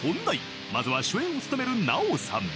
［まずは主演を務める奈緒さん］